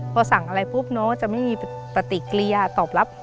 พอสั่งอะไรปุ๊บน้องจะไม่มีปฏิกิริยาตอบรับ